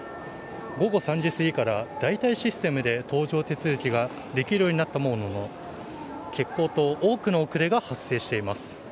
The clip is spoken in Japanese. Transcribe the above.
午後３時すぎから代替システムで搭乗手続きができるようになったものの欠航と多くの遅れが発生しています。